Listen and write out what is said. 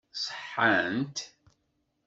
Ṣeḥḥant?